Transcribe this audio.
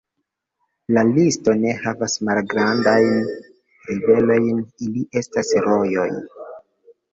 La listo ne havas malgrandajn riverojn, ili estas rojoj.